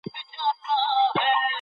د کاغذونو لیږلو ته اړتیا نشته.